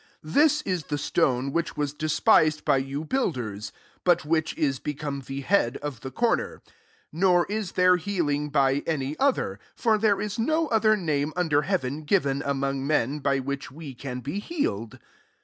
11 This is the stone irhich was despised by you )uilders ; but which is become he head of the corner. 12 [Nor s there healingf by any other:] 'or there is no other name un ler heaven given among men, )y which we can be healed.''